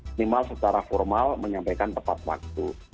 minimal secara formal menyampaikan tepat waktu